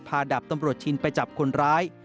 ดาบตำรวจชินไปจับคนร้าย